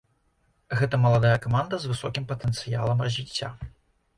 Гэта маладая каманда з высокім патэнцыялам развіцця.